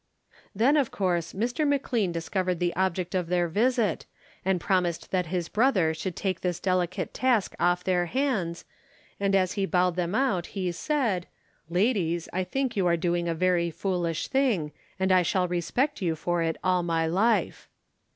Then, of course, Mr. McLean discovered the object of their visit, and promised that his brother should take this delicate task off their hands, and as he bowed them out he said, "Ladies, I think you are doing a very foolish thing, and I shall respect you for it all my life."